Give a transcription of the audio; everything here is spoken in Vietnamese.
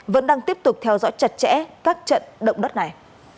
vẫn đang tiếp tục theo dõi chặt chẽ các trận động đất này